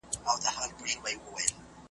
بس پردی وم بس بی واکه وم له ځانه .